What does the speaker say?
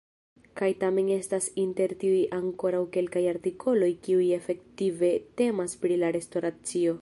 Kaj tamen estas inter tiuj ankoraŭ kelkaj artikoloj kiuj efektive temas pri la restoracio.